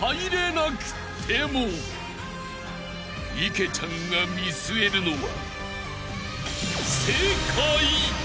［池ちゃんが見据えるのは］